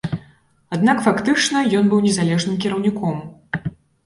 Аднак фактычна ён быў незалежным кіраўніком.